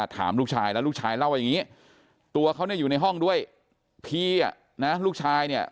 แต่เสียใจที่เตือนทำแบบนี้